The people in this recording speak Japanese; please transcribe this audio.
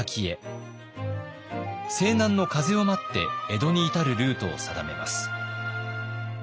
西南の風を待って江戸に至るルートを定めます。